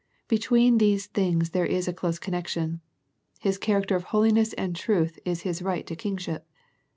Between these things there is a close connection. His character of hoHness and truth is His right to Kingship.